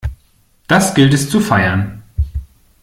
Das gilt es zu feiern!